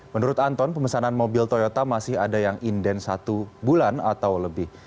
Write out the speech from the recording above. menurut anton pemesanan mobil toyota masih ada yang inden satu bulan atau lebih